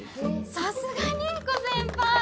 さすが凛子先輩！